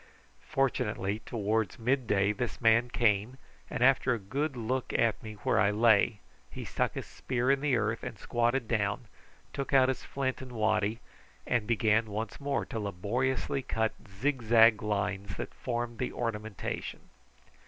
Fortunately towards mid day this man came, and after a good look at me where I lay he stuck his spear in the earth, squatted down, took out his flint and waddy, and began once more to laboriously cut the zigzag lines that formed the ornamentation.